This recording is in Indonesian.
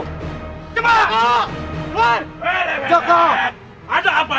tidak ada yang akan mendengar kamu